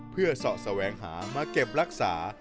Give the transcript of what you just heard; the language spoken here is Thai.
เพื่อเสาะแสวงหามาเก็บรักษา